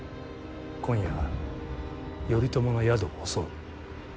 今夜頼朝の宿を襲う。